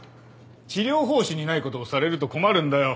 治療方針にないことをされると困るんだよ。